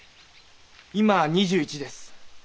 今２１です。